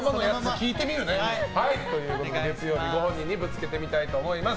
聞いてみるね。ということで月曜日、ご本人にぶつけてみたいと思います。